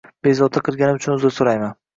Bezovta qilganim uchun uzr so’rayman.